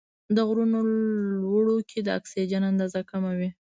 د غرونو لوړو کې د اکسیجن اندازه کمه وي.